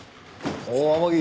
おう天樹